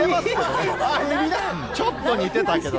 ちょっと似てたけど。